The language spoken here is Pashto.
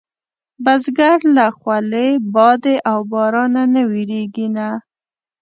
بزګر له خولې، بادې او بارانه نه وېرېږي نه